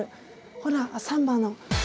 ほらサンバの。